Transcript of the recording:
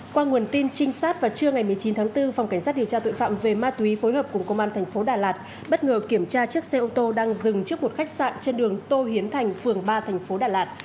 qua nguồn tin trinh sát vào trưa ngày một mươi chín tháng bốn phòng cảnh sát điều tra tội phạm về ma túy phối hợp cùng công an thành phố đà lạt bất ngờ kiểm tra chiếc xe ô tô đang dừng trước một khách sạn trên đường tô hiến thành phường ba thành phố đà lạt